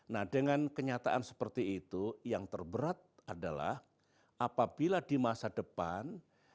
nah dengan kenyataan seperti itu yang terberat adalah apabila di masa depan